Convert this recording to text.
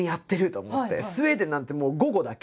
スウェーデンなんて午後だけ。